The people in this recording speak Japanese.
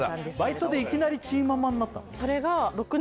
バイトでいきなりチーママになったの？